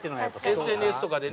ＳＮＳとかでね